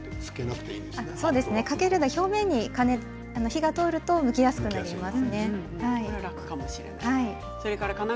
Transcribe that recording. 表面に火が通るとむきやすくなります。